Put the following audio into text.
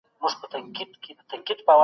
افغانان اوچت روحیه درلودله